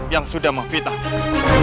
yang sudah memfitahkan